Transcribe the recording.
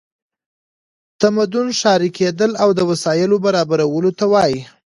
تمدن ښاري کیدل او د وسایلو برابرولو ته وایي.